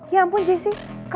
ya ampun jessy